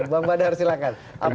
bang badar silahkan